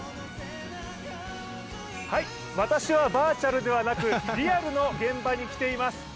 私はバーチャルではなくリアルな現場に来ています。